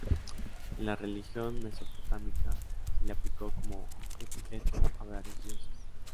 En la religión mesopotámica se le aplicó como epíteto a varios dioses.